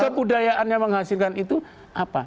kepudayaan yang menghasilkan itu apa